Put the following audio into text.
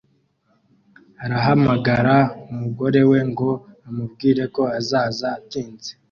Arahamagara umugore we ngo amubwire ko azaza atinze